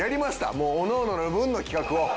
もうおのおのの分の企画を。